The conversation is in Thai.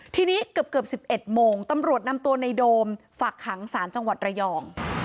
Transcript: ทีนี้เกือบ๑๑โมงตำรวจนำตัวในโดมฝากขังสารจังหวัดระยอง